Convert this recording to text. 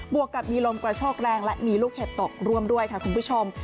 วกกับมีลมกระโชกแรงและมีลูกเห็บตกร่วมด้วยค่ะคุณผู้ชม